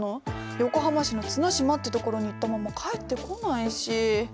横浜市の綱島って所に行ったまま帰ってこないし。